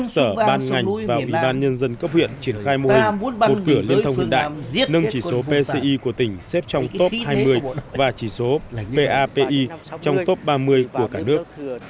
một mươi sở ban ngành và ủy ban nhân dân cấp huyện triển khai mô hình một cửa liên thông hiện đại nâng chỉ số pci của tỉnh xếp trong top hai mươi và chỉ số papi trong top ba mươi của cả nước